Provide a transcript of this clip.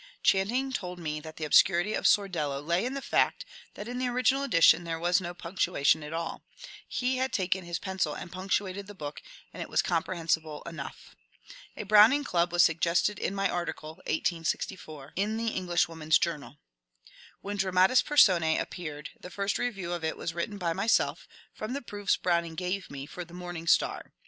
Channing told me that the obscurity of ^^ Sordello^ lay in the fact that in the original edition there was no punc tuation at all : he had taken his pencil and punctuated the book and it was comprehensible enough. A Browning Club was suggested in my article (1864) in the *^ Englishwoman's Journal." When " Dramatis PersonsB " appeared, the first review of it was written by myself, from the proofs Browning gave me, for the "Morning Star."